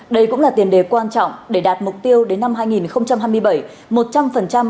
đây cũng là tiền đề quan trọng để đạt mục tiêu đến năm hai nghìn hai mươi bảy